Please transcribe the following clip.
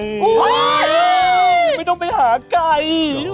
อู้วววไม่ต้องไปหาไก่